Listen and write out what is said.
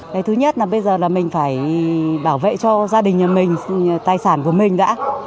bà tươi bảo vệ cho gia đình nhà mình tài sản của mình đã